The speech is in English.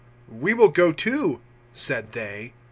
"We will go too," said they.